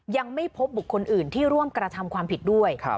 ยังไม่พบบุคคลอื่นที่ร่วมกระทำความผิดด้วย